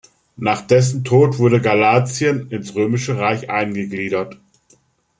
Nach dessen Tod wurde Galatien ins Römische Reich eingegliedert.